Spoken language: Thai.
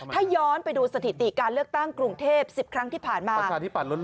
ถ้าย้อนไปดูสถิติการเลือกตั้งกรุงเทพ๑๐ครั้งที่ผ่านมา